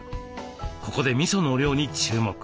ここでみその量に注目。